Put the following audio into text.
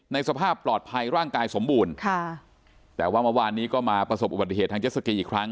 สภาพปลอดภัยร่างกายสมบูรณ์ค่ะแต่ว่าเมื่อวานนี้ก็มาประสบอุบัติเหตุทางเจ็ดสกีอีกครั้ง